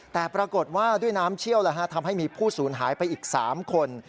แต่ปรากฏว่าด้วยน้ำเชี่ยวทำให้มีผู้สูญหายไปอีก๓คน